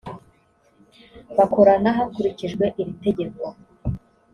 bakorana hakurikijwe iri tegeko